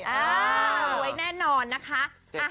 รวยแน่นอนนะคะ